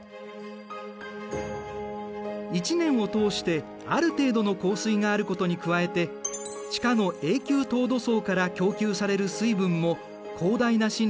一年を通してある程度の降水があることに加えて地下の永久凍土層から供給される水分も広大な森林を支えている。